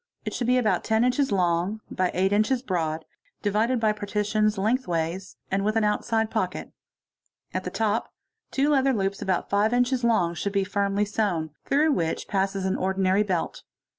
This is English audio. It should be about 10 inches long by 8 inches broad, divided by partitions lengthways and with an outside pocket. the top two leather loops about 5 inches long should be firmly sey n. through which passes an ordinary belt.